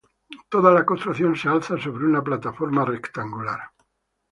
Toda la construcción se alza sobre una plataforma rectangular.